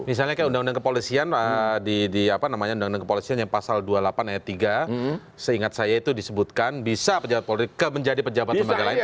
misalnya kayak undang undang kepolisian di apa namanya undang undang kepolisian yang pasal dua puluh delapan ayat tiga seingat saya itu disebutkan bisa pejabat polri menjadi pejabat lembaga lain